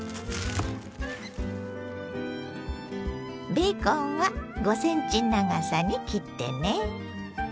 ベーコンは５ｃｍ長さに切ってね。